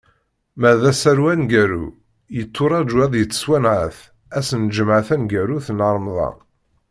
Ma d asaru aneggaru, yetturaǧu ad d-yettwasenɛet ass n lǧemɛa taneggarut n Remḍan.